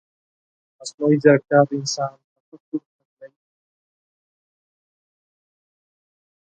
مصنوعي ځیرکتیا د انسان تفکر نقلوي.